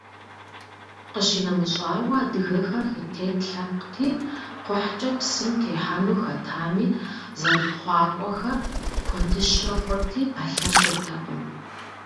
Къищынэмыщӏауэ, адыгэр хытет лъэпкъти, кхъухькӏэ псым техьэну хэтами, зэрыпхъуакӏуэхэр куэдыщэ хъурти, пэлъэщыртэкъым.